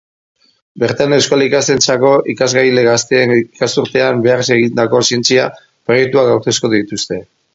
Bertan, euskal ikastetxeetako ikertzaile gazteek ikasturtean zehar egindako zientzia proiektuak aurkeztuko dituzte.